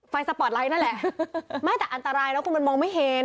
สปอร์ตไลท์นั่นแหละไม่แต่อันตรายแล้วคุณมันมองไม่เห็น